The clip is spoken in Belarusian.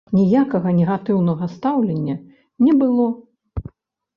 Ніякага негатыўнага стаўлення не было.